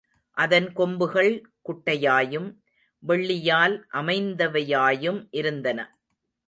அதன் கொம்புகள் குட்டையாயும், வெள்ளியால் அமைந்தவையாயும் இருந்தன.